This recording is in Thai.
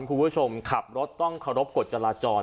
คุณผู้ชมขับรถต้องเคารพกฎจราจร